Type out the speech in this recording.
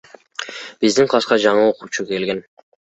Биздин класска жаңы окуучу келген.